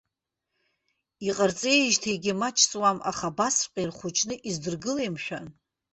Иҟарҵеижьҭеигьы маҷ ҵуам, аха абасҵәҟьа ирхәыҷны издыргылеи, мшәан.